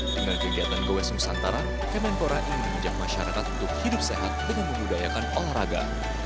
dengan kegiatan gowes nusantara kementora ingin menjaga masyarakat untuk hidup sehat dengan memudayakan olahraga